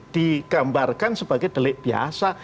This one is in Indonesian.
digambarkan sebagai delik biasa